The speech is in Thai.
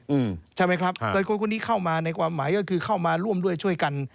อืมใช่ไหมครับแต่คนคนนี้เข้ามาในความหมายก็คือเข้ามาร่วมด้วยช่วยกัน